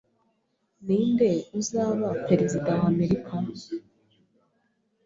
Ninde uzaba perezida wa Amerika?